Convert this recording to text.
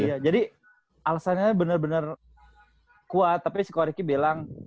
iya jadi alasannya bener bener kuat tapi si koriki bilang